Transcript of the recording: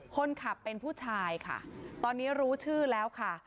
คนขับเป็นผู้ชายค่ะตอนนี้รู้ชื่อแล้วค่ะ